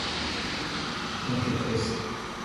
N'on ket prest.